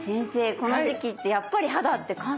この時期ってやっぱり肌って乾燥するんですか？